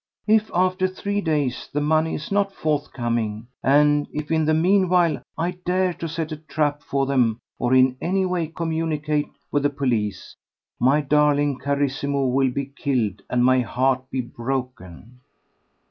If after three days the money is not forthcoming, and if in the meanwhile I dare to set a trap for them or in any way communicate with the police, my darling Carissimo will be killed and my heart be broken."